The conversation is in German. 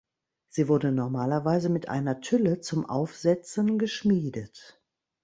Sie wurde normalerweise mit einer Tülle zum Aufsetzen geschmiedet.